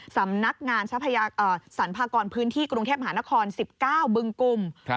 สำนักงานสรรพากรพื้นที่กรุงเทพมหานคร๑๙บึงกลุ่ม